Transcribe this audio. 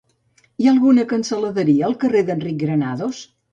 Hi ha alguna cansaladeria al carrer d'Enric Granados?